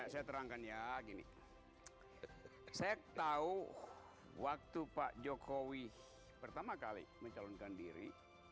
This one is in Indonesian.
saya terangkan ya gini saya tahu waktu pak jokowi pertama kali mencalonkan diri